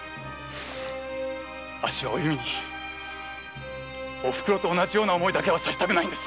あっしはお弓にお袋と同じような思いだけはさせたくないんです。